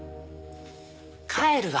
帰るわ。